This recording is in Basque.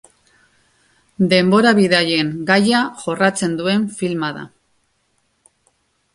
Denbora bidaien gaia jorratzen duen filma da.